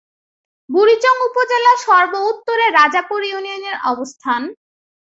বুড়িচং উপজেলার সর্ব-উত্তরে রাজাপুর ইউনিয়নের অবস্থান।